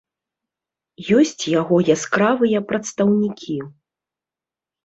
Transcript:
Ёсць яго яскравыя прадстаўнікі.